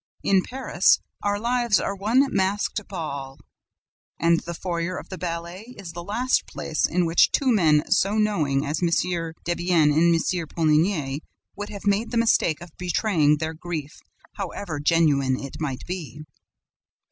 In Paris, our lives are one masked ball; and the foyer of the ballet is the last place in which two men so "knowing" as M. Debienne and M. Poligny would have made the mistake of betraying their grief, however genuine it might be.